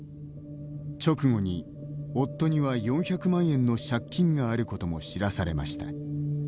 直後に、夫には４００万円の借金があることも知らされました。